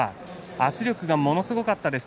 圧力がものすごかったと。